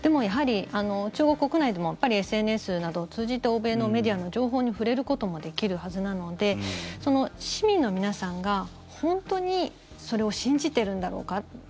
やはり中国国内でもＳＮＳなどを通じて欧米のメディアの情報に触れることもできるはずなので市民の皆さんが本当にそれを信じているんだろうか。